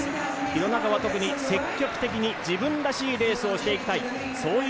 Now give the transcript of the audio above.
廣中は特に積極的に自分らしいレースをしていきたい